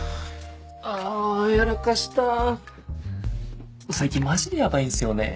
あやらかした最近マジでヤバいんすよね。